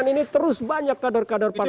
ini terus banyak kader kader partai